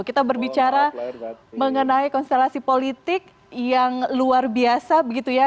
kita berbicara mengenai konstelasi politik yang luar biasa begitu ya